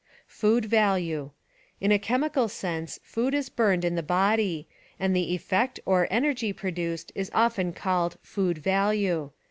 Food Value — In a chemical sense food is burned in the body, and the effect or energy produced is often called food value.